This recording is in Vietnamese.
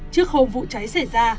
trước hôm vụ cháy xảy ra